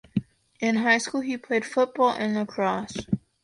In high school he played football and lacrosse.